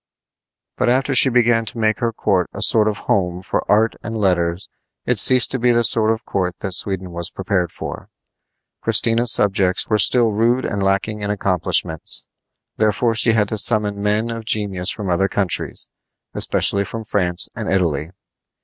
But after she began to make her court a sort of home for art and letters it ceased to be the sort of court that Sweden was prepared for. Christina's subjects were still rude and lacking in accomplishments; therefore she had to summon men of genius from other countries, especially from France and Italy.